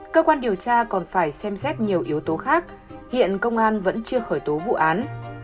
cơ quan điều tra còn phải xem xét nhiều yếu tố khác hiện công an vẫn chưa khởi tố vụ án